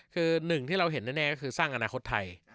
คือหนึ่งที่เราเห็นแน่ก็คือสร้างอนาคตไทย